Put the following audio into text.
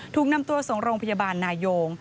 ถูกนำตัวส่งโรงพยาบาลนายง